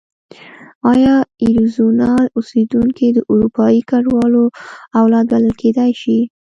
ایا اریزونا اوسېدونکي د اروپایي کډوالو اولاد بلل کېدای شي؟